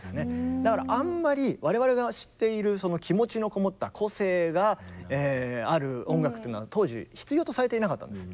だからあんまり我々が知っているその気持ちのこもった個性がある音楽というのは当時必要とされていなかったんです。